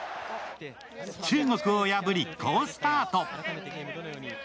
中国を破り好スタート。